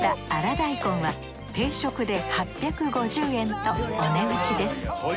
大根は定食で８５０円とお値打ちです